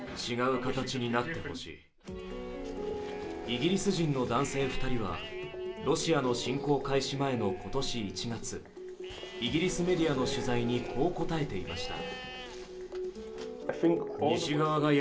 イギリス人の男性２人は、ロシアの侵攻開始前の今年１月、イギリスメディアの取材にこう答えていました。